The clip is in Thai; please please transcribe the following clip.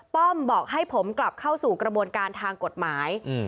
ป้อมบอกให้ผมกลับเข้าสู่กระบวนการทางกฎหมาย